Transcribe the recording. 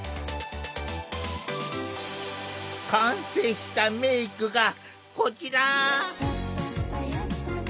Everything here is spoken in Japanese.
完成したメークがこちら！